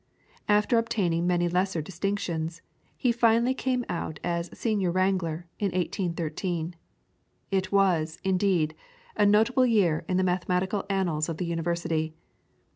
After obtaining many lesser distinctions, he finally came out as Senior Wrangler in 1813. It was, indeed, a notable year in the mathematical annals of the University.